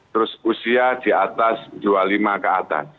terus usia di atas dua puluh lima ke atas